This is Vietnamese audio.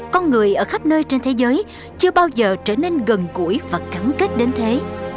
con người ở khắp nơi trên thế giới chưa bao giờ trở nên gần gũi và cắn kết đến thế